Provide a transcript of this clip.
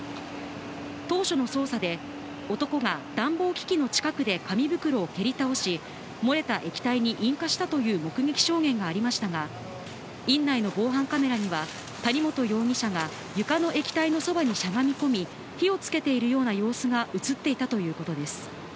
当初の捜査で男が暖房機器の近くで紙袋を蹴り倒し、燃えた液体に引火したという目撃証言がありましたが、院内の防犯カメラには谷本容疑者が床の液体のそばに、しゃがみこみ火をつけているような様子が映っていたということです。